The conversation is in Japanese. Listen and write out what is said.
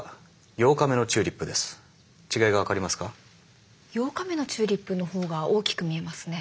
８日目のチューリップの方が大きく見えますね。